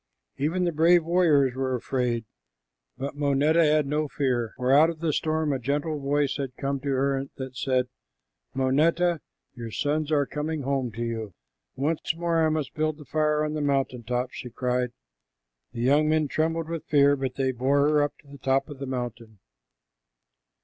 Even the brave warriors were afraid, but Moneta had no fear, for out of the storm a gentle voice had come to her that said, "Moneta, your sons are coming home to you." "Once more I must build the fire on the mountain top," she cried. The young men trembled with fear, but they bore her to the top of the mountain.